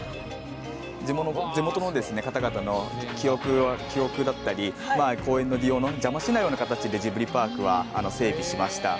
地元の方々の記憶だったり公園の利用の邪魔しないような形でジブリパークは整備しました。